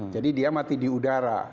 dia mati di udara